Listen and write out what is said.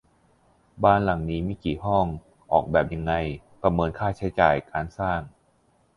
บ้านหลังนี้มีกี่ห้อง ออกแบบยังไง ประเมินค่าใช้จ่ายการสร้าง